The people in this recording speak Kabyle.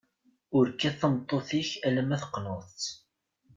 Ur kkat tameṭṭut-ik alemma teqneḍ-tt.